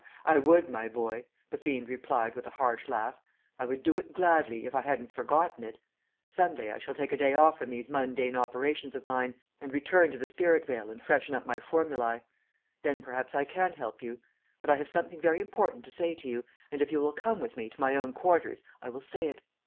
"I would, my boy," the fiend replied with a harsh laugh, "I would do it gladly, if I hadn't forgotten it. Some day I shall take a day off from these mundane operations of mine, and return to the spirit vale and freshen up my formulæ. Then perhaps I can help you. But I have something very important to say to you, and if you will come with me to my own quarters I will say it.